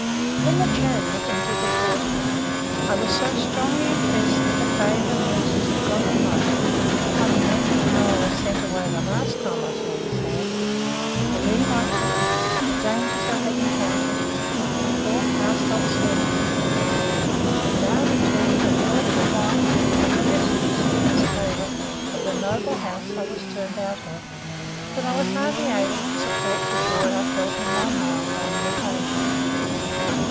When the chariot entered the court yard, I was so strongly impressed with the favour and mercies of God Almighty, on remembering how I was sent away the last time I saw this house; the leave I took; the dangers I had encountered; a poor cast off servant girl; and now returning a joyful wife, and the mistress, through his favour, of the noble house I was turned out of; that I was hardly able to support the joy I felt in my mind on the occasion.